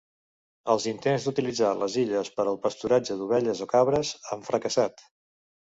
Els intents d'utilitzar les illes per al pasturatge d'ovelles o cabres han fracassat.